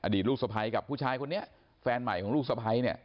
ลูกสะพ้ายกับผู้ชายคนนี้แฟนใหม่ของลูกสะพ้ายเนี่ย